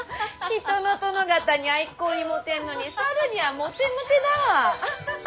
人の殿方には一向にモテんのに猿にはモテモテだわ。